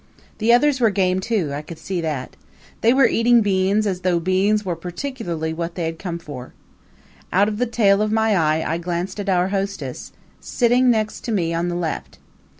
The others were game too I could see that. They were eating beans as though beans were particularly what they had come for. Out of the tail of my eye I glanced at our hostess, sitting next to me on the left.